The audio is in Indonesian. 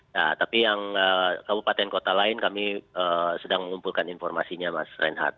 nah tapi yang kabupaten kota lain kami sedang mengumpulkan informasinya mas reinhardt